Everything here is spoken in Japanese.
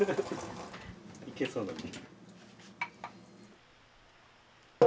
いけそうだね。